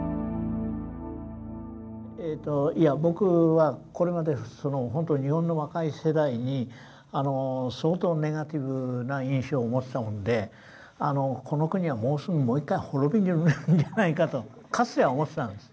いや僕はこれまでほんとに日本の若い世代に相当ネガティブな印象を持ってたもんでこの国はもうすぐもう一回滅びるんじゃないかとかつては思ってたんです。